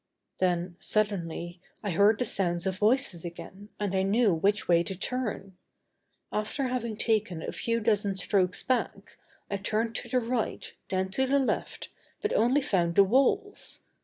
Then, suddenly, I heard the sounds of voices again and I knew which way to turn. After having taken a dozen strokes back, I turned to the right, then to the left, but only found the walls.